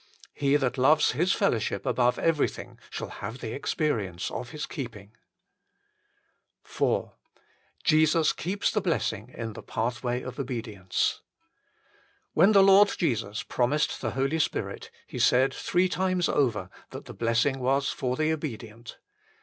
He that loves His fellowship above everything shall have the experience of His keeping. HOW IT MAY BE KEPT 99 IV Jesus keeps the blessing in the pathway of obedience. When the Lord Jesus promised the Holy Spirit, He said three times over that the blessing was for the obedient.